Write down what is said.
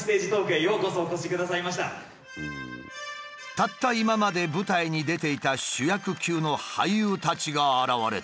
たった今まで舞台に出ていた主役級の俳優たちが現れた。